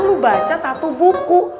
lu baca satu buku